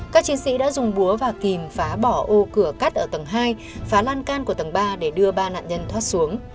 các chiến sĩ đã dùng búa và kìm phá bỏ ô cửa cắt ở tầng hai phá lan can của tầng ba để đưa ba nạn nhân thoát xuống